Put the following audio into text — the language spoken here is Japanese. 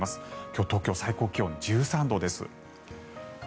今日、東京は最高気温が１３度です。